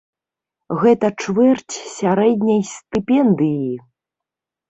Гэта чвэрць сярэдняй стыпендыі!